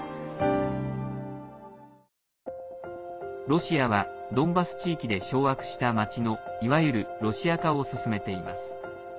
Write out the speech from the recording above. ロシアはドンバス地域で掌握した町のいわゆるロシア化を進めています。